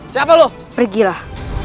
siapa lu pergilah